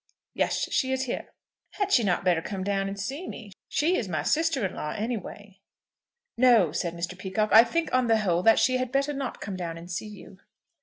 "Yes, she is here." "Had she not better come down and see me? She is my sister in law, anyway." "No," said Mr. Peacocke; "I think, on the whole, that she had better not come down and see you."